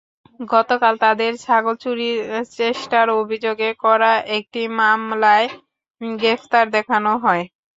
গতকাল তাঁদের ছাগল চুরির চেষ্টার অভিযোগে করা একটি মামলায় গ্রেপ্তার দেখানো হয়।